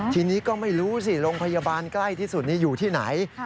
ทีนี้ก็ไม่รู้สิโรงพยาบาลใกล้ที่สุดอยู่ที่ไหน